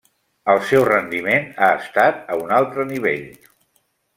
El seu rendiment ha estat a un altre nivell.